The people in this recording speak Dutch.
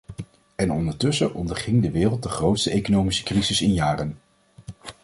En ondertussen onderging de wereld de grootste economische crisis in jaren.